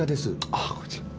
ああこちら。